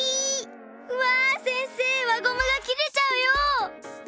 うわせんせい輪ゴムがきれちゃうよ！